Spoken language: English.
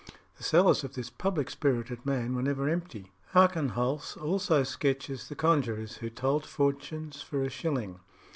The cellars of this public spirited man were never empty. Archenholz also sketches the conjurors who told fortunes for a shilling.